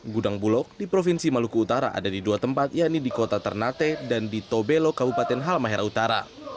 gudang bulog di provinsi maluku utara ada di dua tempat yaitu di kota ternate dan di tobelo kabupaten halmahera utara